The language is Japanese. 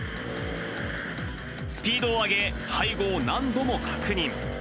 スピードを上げ、背後を何度も確認。